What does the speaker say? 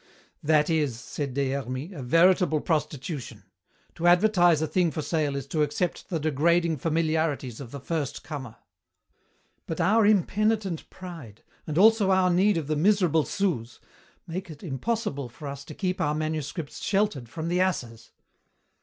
"That is," said Des Hermies, "a veritable prostitution. To advertise a thing for sale is to accept the degrading familiarities of the first comer." "But our impenitent pride and also our need of the miserable sous make it impossible for us to keep our manuscripts sheltered from the asses.